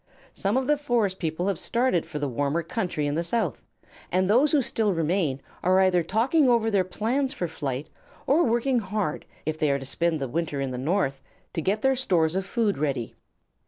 Some of the Forest People have started for the warmer country in the South, and those who still remain are either talking over their plans for flight, or working hard, if they are to spend the winter in the North, to get their stores of food ready.